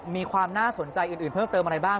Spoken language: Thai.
มีความน่าสนใจอื่นเพิ่มเติมอะไรบ้าง